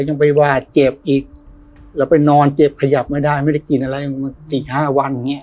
ยังไปว่าเจ็บอีกแล้วไปนอนเจ็บขยับไม่ได้ไม่ได้กินอะไรสี่ห้าวันอย่างเงี้